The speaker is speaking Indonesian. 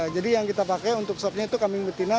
jadi yang kita pakai untuk sopnya itu kambing betina